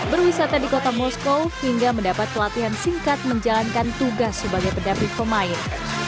berwisata di kota moskow hingga mendapat pelatihan singkat menjalankan tugas sebagai pendamping pemain